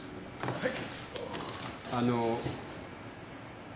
はい。